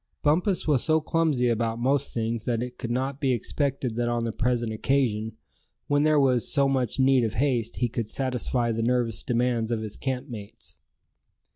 Bumpus was so clumsy about most things that it could not be expected that on the present occasion, when there was so much need of haste he could satisfy the nervous demands of his camp mates.